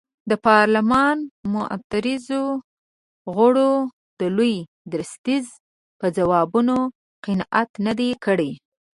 د پارلمان معترضو غړو د لوی درستیز په ځوابونو قناعت نه دی کړی.